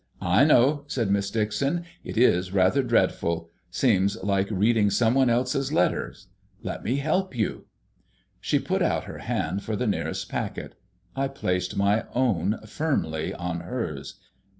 "I know," said Miss Dixon, "it is rather dreadful. Seems like reading some one else's letters. Let me help you." She put out her hand for the nearest packet. I placed my own firmly on hers.